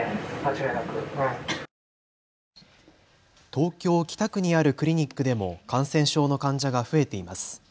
東京北区にあるクリニックでも感染症の患者が増えています。